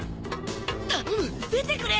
頼む出てくれ！